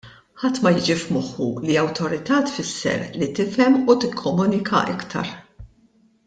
Ħadd ma jiġi f'moħħu li awtorità tfisser li tifhem u tikkomunika aktar.